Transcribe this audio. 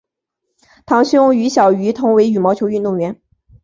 堂兄于小渝同为羽毛球运动员。